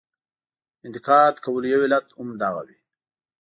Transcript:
انتقاد کولو یو علت هم دغه وي.